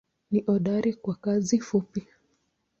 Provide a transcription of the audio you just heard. Ni hodari kwa kazi fupi.